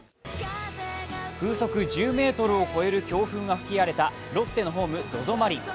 風速１０メートルを超える強風が吹き荒れたロッテのホームＺＯＺＯマリン。